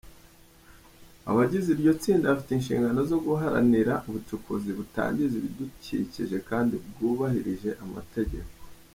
Abagize iryo tsinda bafite inshingano zo guharanira ubucukuzi butangiza ibidukikije kandi bwubahirije amategeko.